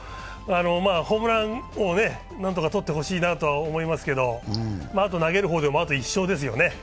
ホームラン王を何とか取ってほしいなと思いますけど、投げる方でも、あと１勝ですよね。